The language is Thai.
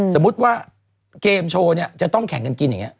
สมมุติว่าเกมโชว์เนี่ยจะต้องแข่งกันกินอย่างนี้